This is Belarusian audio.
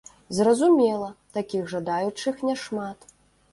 Зразумела, такіх жадаючых няшмат.